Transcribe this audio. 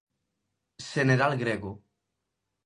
Xeneral grego.